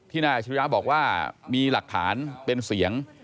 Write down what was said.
นายอาชิริยะบอกว่ามีหลักฐานเป็นเสียง